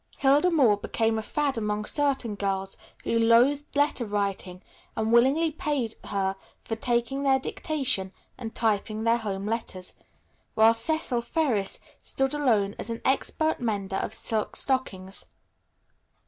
Hilda Moore became a fad among certain girls who loathed letter writing and willingly paid her for taking their dictation and typing their home letters, while Cecil Ferris stood alone as an expert mender of silk stockings.